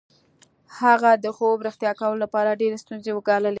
هغه د خوب رښتیا کولو لپاره ډېرې ستونزې وګاللې